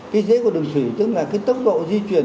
cái dễ của đường thủy tức là tốc độ di chuyển